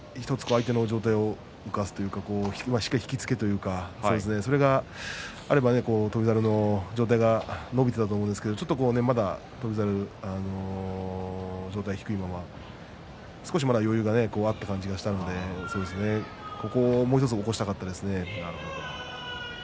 相手の上体を動かすというか、もう１回引き付けるというかそれがあれば翔猿の上体が伸びていたと思うんですけれどちょっとまだ翔猿上体が低いまま少しまだ余裕があった感じがしたのでもう少し起こしたかったですね。